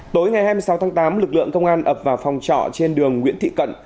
tối ngày hai mươi sáu tháng tám lực lượng công an ập vào phòng trọ trên đường nguyễn thị cận